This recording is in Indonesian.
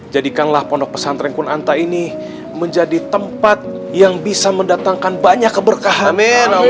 jadikanlah pondok pesantren kunanta ini menjadi tempat yang bisa mendatangkan banyak keberkahan